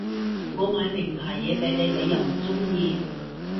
我買名牌嘢畀你你又唔中意